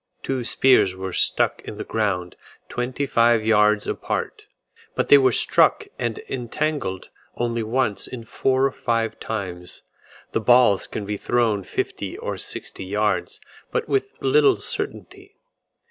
Two spears were stuck in the ground twenty five yards apart, but they were struck and entangled only once in four or five times. The balls can be thrown fifty or sixty yards, but with little certainty.